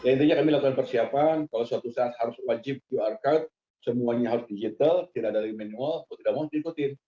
ya intinya kami lakukan persiapan kalau suatu saat harus wajib qr code semuanya harus digital tidak dari manual atau tidak mau harus diikutin